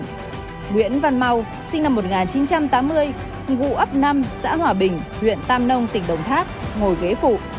nguyễn văn mau sinh năm một nghìn chín trăm tám mươi vụ ấp năm xã hòa bình huyện tam nông tỉnh đồng tháp ngồi ghế phụ